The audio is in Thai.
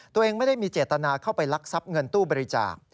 ตัวเองไม่ได้มีเจตนาเข้าไปลักทรัพย์เงินตู้บริจาค